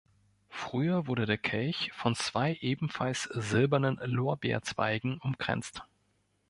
Früher wurde der Kelch von zwei ebenfalls silbernen Lorbeerzweigen umkränzt.